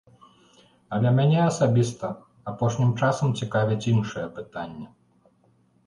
Але мяне асабіста апошнім часам цікавяць іншыя пытанні.